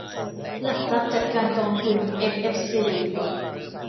หลักทรัพย์จัดการกองทุน เอ็มเอฟซี